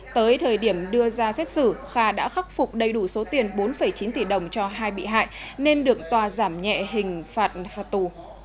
tới thời điểm đưa ra xét xử kha đã khắc phục đầy đủ số tiền bốn chín tỷ đồng cho hai bị hại nên được tòa giảm nhẹ hình phạt tù